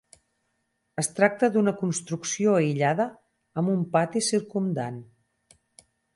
Es tracta d'una construcció aïllada amb un pati circumdant.